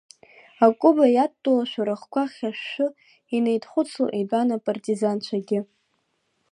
Акәыба иадтәалоушәа рыхқәа хьышьшьы, инеидхәыцло итәан апартизанцәагьы…